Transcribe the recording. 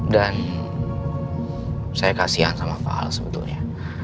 dan saya kasian sama pak al sebetulnya